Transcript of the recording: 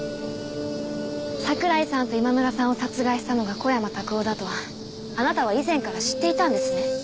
桜井さんと今村さんを殺害したのが小山卓夫だとあなたは以前から知っていたんですね？